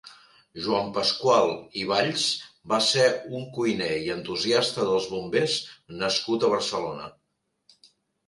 Joan Pascual i Valls va ser un cuiner i entusiasta dels bombers nascut a Barcelona.